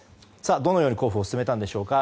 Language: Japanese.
どのように交付を進めたのでしょうか。